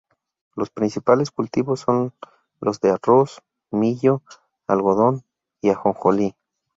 Los principales cultivos son los de arroz, millo, algodón y ajonjolí.